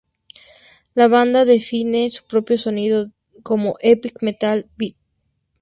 La banda define su propio sonido como ""Epic" "Metal Battle"".